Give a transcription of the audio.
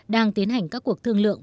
đang tiến hành các cuộc thương lượng